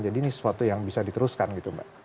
jadi ini sesuatu yang bisa diteruskan gitu mbak